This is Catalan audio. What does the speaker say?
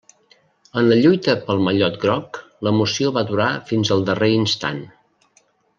En la lluita pel mallot groc l'emoció va durar fins al darrer instant.